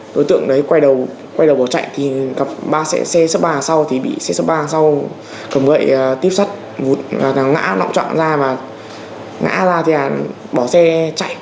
đối tượng đấy quay đầu bỏ chạy thì gặp ba xe xe spa sau thì bị xe spa sau cầm gậy tiếp sát ngã lọng trọn ra và ngã ra thì bỏ xe chạy